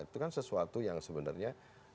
itu kan sesuatu yang sebenarnya